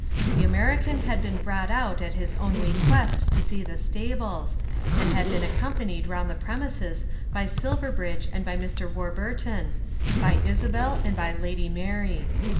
The American had been brought out at his own request to see the stables, and had been accompanied round the premises by Silverbridge and by Mr. Warburton, by Isabel and by Lady Mary.